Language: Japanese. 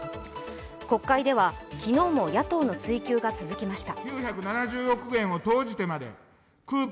国会では昨日も野党の追及が続きました。